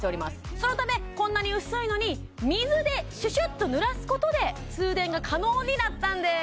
そのためこんなに薄いのに水でシュシュッと濡らすことで通電が可能になったんです